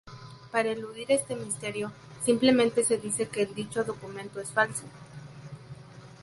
Para eludir este misterio, simplemente se dice que el dicho documento es falso.